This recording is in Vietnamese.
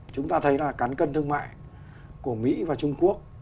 chúng ta thấy là cán cân thương mại của mỹ và trung quốc